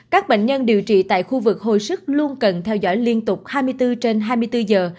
các bệnh nhân điều trị tại khu vực hồi sức luôn cần theo dõi liên tục hai mươi bốn trên hai mươi bốn giờ